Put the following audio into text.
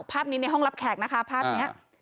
ภาพนี้ในห้องรับแขกนะคะภาพนี้